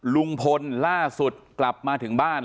ลุงพลล่าสุดกลับมาถึงบ้าน